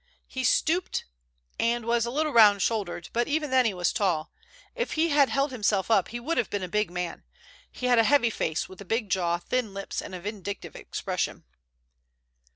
"He stooped and was a little round shouldered, but even then he was tall. If he had held himself up he would have been a big man. He had a heavy face with a big jaw, thin lips, and a vindictive expression."